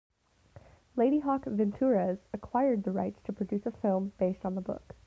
Ladyhawke Ventures acquired the rights to produce a film based on the book.